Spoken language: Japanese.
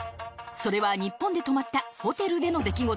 それは日本で泊まったホテルでの出来事。